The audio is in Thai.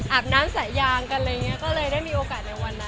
อาบน้ำสายยางกันอะไรอย่างนี้ก็เลยได้มีโอกาสในวันนั้น